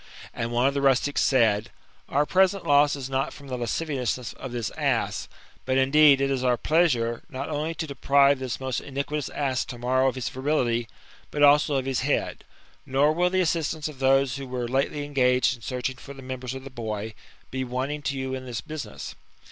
And one of the rustics said :'* Our present loss is not firom the lasciviousness of this ass ; but, indeed, it is our pleasure, not only to deprive this most iniquitous ass to morrow of his virility, but also of his head. Nor will the assistance of those who were lately engaged in searching for the members of the boy, be wanting to you in this business."